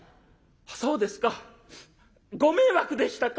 「そうですかご迷惑でしたか。